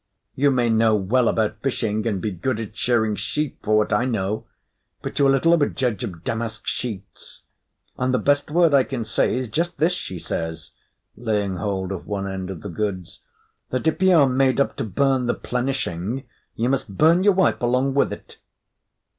You may know well about fishing and be good at shearing sheep for what I know; but you are little of a judge of damask sheets. And the best word I can say is just this," she says, laying hold of one end of the goods, "that if ye are made up to burn the plenishing, you must burn your wife along with it."